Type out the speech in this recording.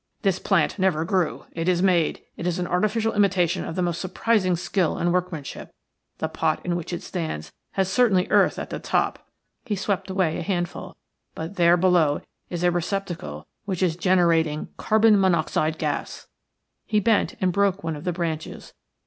"This plant never grew. It is made – it is an artificial imitation of the most surprising skill and workmanship. The pot in which it stands has certainly earth at the top" – he swept away a handful – "but there below is a receptacle which is generating carbon monoxide gas." He bent and broke one of the branches.